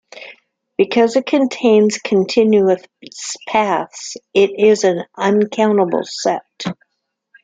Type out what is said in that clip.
Because it contains continuous paths, it is an uncountable set.